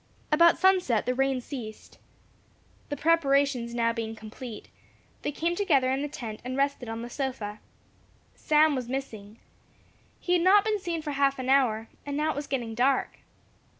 About sunset the rain ceased. The preparations being now complete, they came together in the tent, and rested on the sofa. Sam was missing. He had not been seen for half an hour, and now it was getting dark.